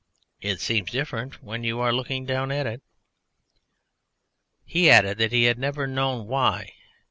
It seems different when you are looking down at it." He added that he had never known why.